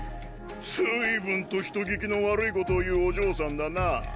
随分と人聞きの悪いことを言うお嬢さんだな。